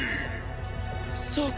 そうか！